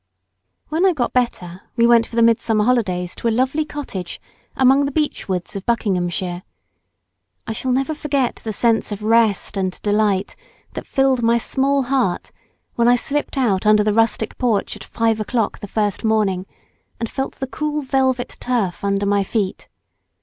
When I got better we went for the midsummer holidays to a lovely cottage among the beech woods of Buckinghamshire. I shall never forget the sense of rest and delight that filled my small heart when I slipped out under the rustic porch at five o'clock the first morning, and felt the cool velvet turf under my feet.